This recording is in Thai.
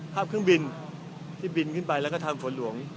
เครื่องบินที่บินขึ้นไปแล้วก็ทำฝนหลวง